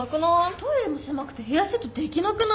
トイレも狭くてヘアセットできなくない？